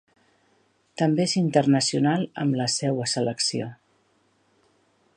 També és internacional amb la seua selecció.